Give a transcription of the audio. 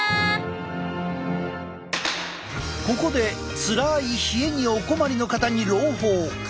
ここでつらい冷えにお困りの方に朗報！